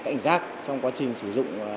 cảnh giác trong quá trình sử dụng